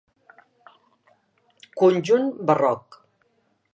Conjunt barroc.